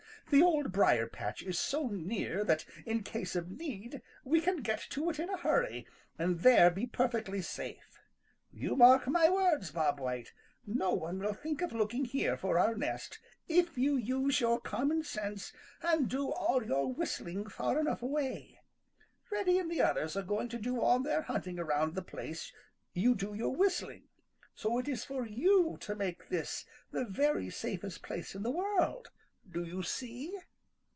The Old Briar patch is so near that in case of need we can get to it in a hurry and there be perfectly safe. You mark my words, Bob White, no one will think of looking here for our nest if you use your common sense and do all your whistling far enough away. Reddy and the others are going to do all their hunting around the place you do your whistling, so it is for you to make this the very safest place in the world. Do you see?"